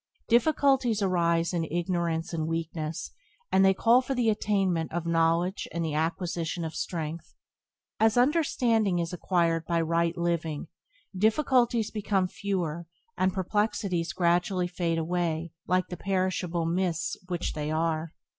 Difficulties arise in ignorance and weakness, and they call for the attainment of knowledge and the acquisition of the strength. As understanding is acquired by right living, difficulties become fewer, and perplexities gradually fade away, like the perishable mists which they are.